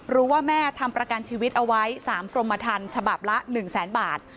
รู้ว่าแม่ทำประกันชีวิตเอาไว้๓กรมมาทันฉบับละ๑๐๐๐๐๐บาท